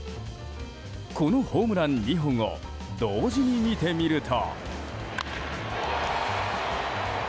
このホームラン２本を同時に見てみると。